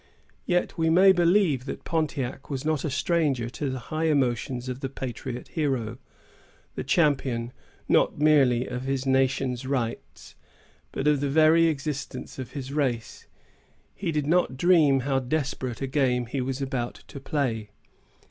Yet we may believe that Pontiac was not a stranger to the high emotion of the patriot hero, the champion not merely of his nation's rights, but of the very existence of his race. He did not dream how desperate a game he was about to play.